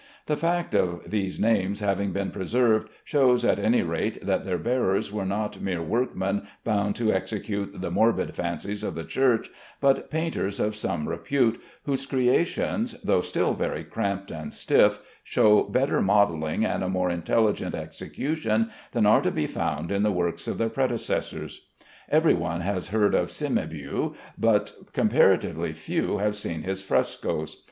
The fact of these names having been preserved shows at any rate that their bearers were not mere workmen bound to execute the morbid fancies of the Church, but painters of some repute, whose creations, though still very cramped and stiff, show better modelling and a more intelligent execution than are to be found in the works of their predecessors. Every one has heard of Cimabue, but comparatively few have seen his frescoes.